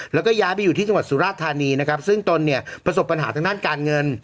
แล้วก็ย้ายไปอยู่ที่จังหวัดสุราธานีนะครับซึ่งตนเนี่ยประสบปัญหาทางด้านการเงิน